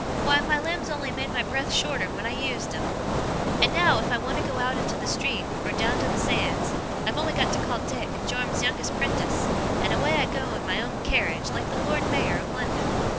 Why, my limbs only made my breath shorter when I used 'em. And now, if I want to go out into the street or down to the sands, I've only got to call Dick, Joram's youngest 'prentice, and away I go in my own carriage, like the Lord Mayor of London.